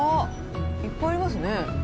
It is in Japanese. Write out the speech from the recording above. いっぱいありますね。